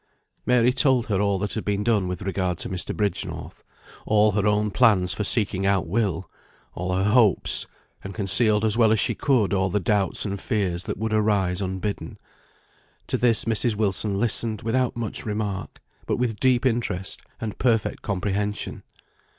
Mary told her all that had been done with regard to Mr. Bridgenorth; all her own plans for seeking out Will; all her hopes; and concealed as well as she could all the doubts and fears that would arise unbidden. To this Mrs. Wilson listened without much remark, but with deep interest and perfect comprehension.